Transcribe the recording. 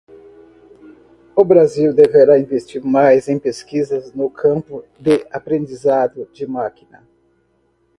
O Brasil deveria investir mais em pesquisa no campo de Aprendizado de Máquina